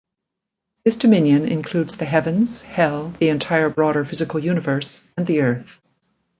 This Dominion includes the Heavens, Hell, the entire broader physical universe, and the Earth.